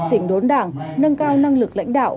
chỉnh đốn đảng nâng cao năng lực lãnh đạo